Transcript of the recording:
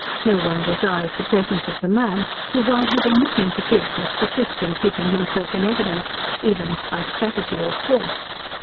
No one desires the presence of the man who while having nothing to give must persist in keeping himself in evidence, even if by strategy or force.